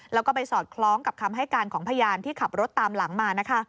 แล้วก็ไปสอดคล้องกับคำให้การของพยานที่ขับรถตามหลังมานะคะ